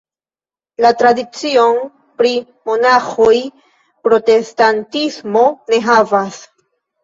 La tradicion pri Monaĥoj protestantismo ne havas.